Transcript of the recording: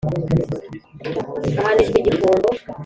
Ahanishwa igifungo.